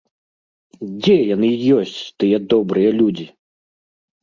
Дзе яны ёсць тыя добрыя людзі?